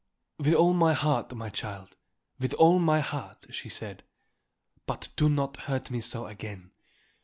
"With all my heart, my child, with all my heart," she said. "But do not hurt me so again.